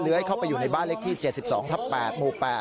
ให้เข้าไปอยู่ในบ้านเลขที่๗๒ทับ๘หมู่๘